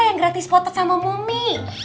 yang gratis potot sama mumi